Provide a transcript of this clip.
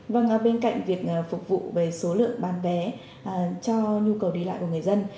vâng bên cạnh việc phục vụ về số lượng bán vé cho nhu cầu đi lại của người dân